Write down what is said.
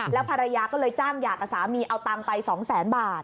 แล้วภรรยาก็เลยจ้างหย่ากับสามีเอาตังค์ไป๒แสนบาท